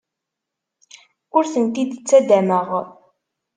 Ur tent-id-ttaddameɣ.